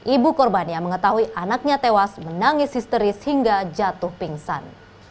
ibu korbannya mengetahui anaknya tewas menangis histeris hingga jatuh pingsan